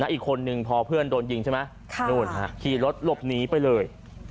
อีกคนนึงพอเพื่อนโดนยิงใช่ไหมนู่นขี่รถหลบหนีไปเลย